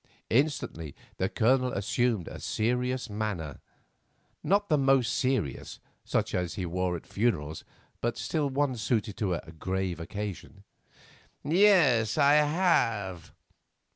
Instantly the Colonel assumed a serious manner, not the most serious, such as he wore at funerals, but still one suited to a grave occasion. "Yes, I have."